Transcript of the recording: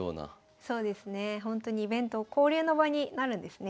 ほんとにイベント交流の場になるんですね。